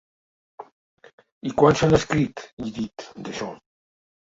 I… quant se n’ha escrit i dit, d’això?